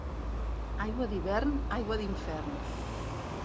Aigua d'hivern, aigua d'infern.